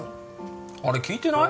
あれ聞いてない？